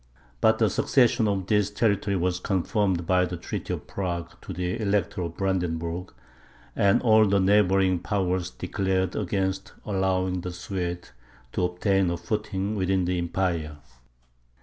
But the succession of this territory was confirmed by the treaty of Prague to the Elector of Brandenburg; and all the neighbouring powers declared against allowing the Swedes to obtain a footing within the empire.